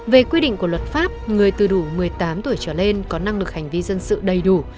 về quy định của luật pháp người từ đủ một mươi tám tuổi trở lên có năng lực hành vi dân sự đầy đủ